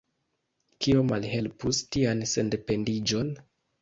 Kio malhelpus tian sendependiĝon?